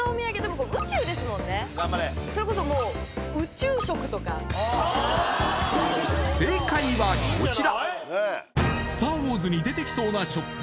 それこそもう正解はこちら「スター・ウォーズ」に出てきそうなショップ